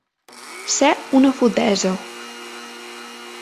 Ser una fotesa.